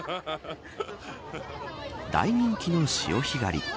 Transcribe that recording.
大人気の潮干狩り。